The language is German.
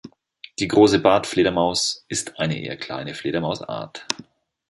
Die Große Bartfledermaus ist eine eher kleine Fledermausart.